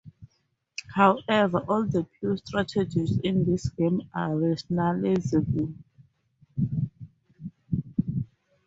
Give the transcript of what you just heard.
However, all the pure strategies in this game are rationalizable.